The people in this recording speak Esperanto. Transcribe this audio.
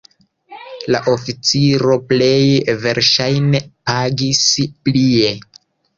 La oficiro plej verŝajne pagis plie.